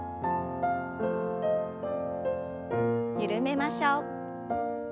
緩めましょう。